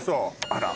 あら！